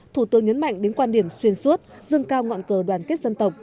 thủ tướng nhấn mạnh đến quan điểm xuyên suốt dâng cao ngọn cờ đoàn kết dân tộc